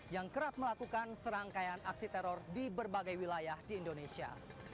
yang kerap melakukan serangkaian aksi teror di berbagai wilayah di indonesia